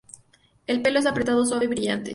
El pelo es apretado, suave y brillante.